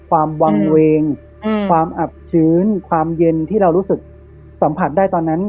ความวางเวงความอับชื้นความเย็นที่เรารู้สึกสัมผัสได้ตอนนั้น